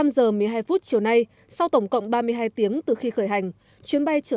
một mươi năm giờ một mươi hai phút chiều nay sau tổng cộng ba mươi hai tiếng từ khi khởi hành